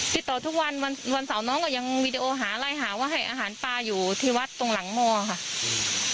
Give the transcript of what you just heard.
ติดต่อทุกวันวันเสาร์น้องก็ยังวีดีโอหาไล่หาว่าให้อาหารปลาอยู่ที่วัดตรงหลังหม้อค่ะ